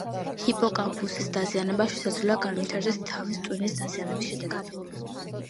ჰიპოკამპუსის დაზიანება შესაძლოა განვითარდეს თავის ტვინის დაზიანების შედეგად.